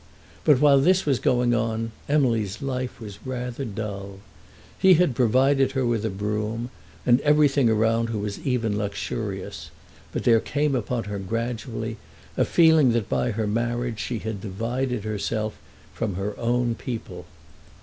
But while this was going on Emily's life was rather dull. He had provided her with a brougham, and everything around her was even luxurious, but there came upon her gradually a feeling that by her marriage she had divided herself from her own people.